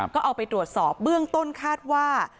ก็เอาไปตรวจสอบเบื้องต้นคาดว่า